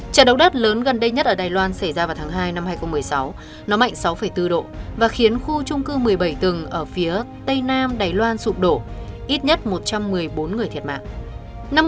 trận động đất lớn gần đây nhất ở đài loan xảy ra vào tháng hai năm hai nghìn một mươi sáu nó mạnh sáu bốn độ và khiến khu trung cư một mươi bảy tầng ở phía tây nam đài loan sụp đổ ít nhất một trăm một mươi bốn người thiệt mạng